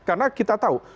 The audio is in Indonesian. karena kita tahu